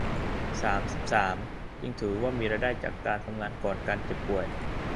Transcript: สามสิบสาม จึงถือว่ามีรายได้จากการทำงานก่อนการเจ็บป่วย